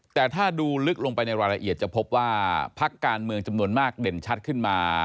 แต่ถ้าดูลึกลงไปในรายละเอียดจะพบว่าพักการเมืองจำนวนมากเด่นชัดขึ้นมา